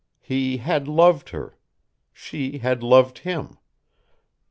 He had loved her. She had loved him.